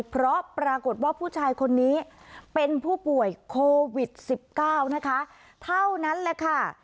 เพราะปรากฏว่าผู้ชายคนนี้เป็นผู้ป่วยโควิด๑๙นะคะเท่านั้นแหละค่ะ